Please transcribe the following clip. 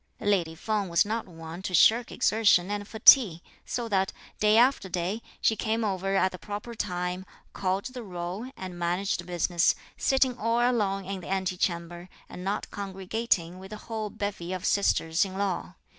Lady Feng was not one to shirk exertion and fatigue, so that, day after day, she came over at the proper time, called the roll, and managed business, sitting all alone in the ante chamber, and not congregating with the whole bevy of sisters in law.